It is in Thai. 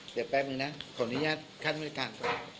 เดี๋ยวแป๊บหนึ่งนะขออนุญาตขั้นบริการ